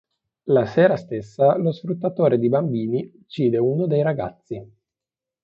La sera stessa lo sfruttatore di bambini uccide uno dei ragazzi.